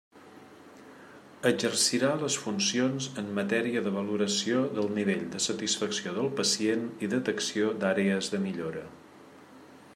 Exercirà les funcions en matèria de valoració del nivell de satisfacció del pacient i detecció d'àrees de millora.